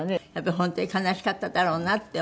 本当に悲しかっただろうなって思いますよね